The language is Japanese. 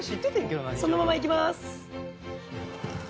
そのままいきます。